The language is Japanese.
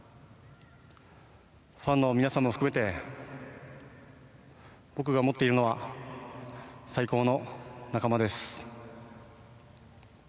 ファンの皆さんも含めて、僕が持っているのは最高の仲間です。